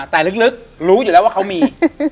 แต่ลึกรู้อยู่แล้วว่าเขามี